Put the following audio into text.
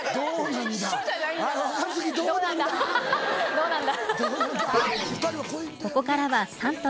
どうなんだ？